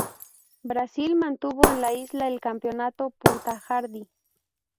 Brasil mantuvo en la isla el campamento Punta Hardy.